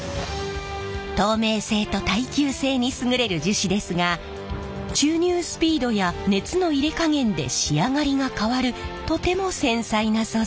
透明性と耐久性に優れる樹脂ですが注入スピードや熱の入れ加減で仕上がりが変わるとても繊細な素材。